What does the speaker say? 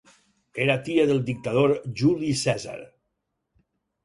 Era tia del dictador Juli Cèsar.